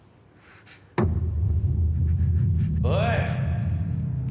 おい！